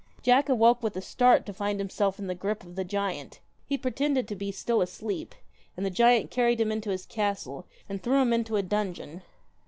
Jack awoke with a start to find himself in the grip of the giant. He pretended to be still asleep, and the giant carried him into his castle and threw him into a dungeon.